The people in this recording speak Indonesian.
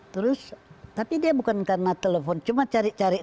terus tapi dia bukan karena telepon cuma cari cari